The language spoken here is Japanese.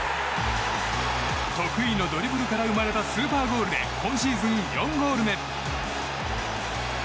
得意のドリブルから生まれたスーパーゴールで今シーズン４ゴール目！